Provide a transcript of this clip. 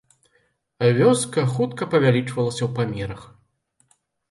Вёска хутка павялічвалася ў памерах.